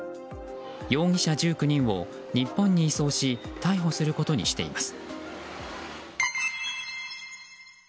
容疑者１９人を日本に移送し逮捕することにしています。